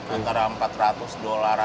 antara empat ratus dolaran